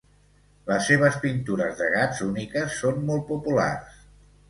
Les seves pintures de gats úniques són molt populars.